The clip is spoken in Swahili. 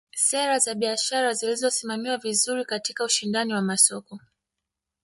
Sera za biashara zisizosimamiwa vizuri katika ushindani wa masoko